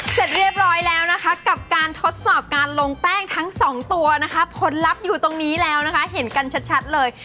เสร็จเรียบร้อยแล้วนะคะกับการทดสอบการลงแป้งทั้งสองตัวนะคะผลลัพธ์อยู่ตรงนี้แล้วนะคะเห็นกันชัดเลย